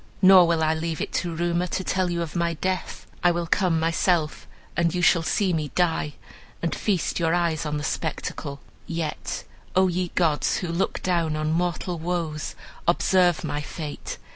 Nor will I leave it to rumor to tell you of my death. I will come myself, and you shall see me die, and feast your eyes on the spectacle. Yet, O ye gods, who look down on mortal woes, observe my fate!